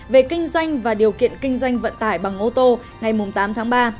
về kinh doanh và điều kiện kinh doanh vận tải bằng ô tô ngày tám tháng ba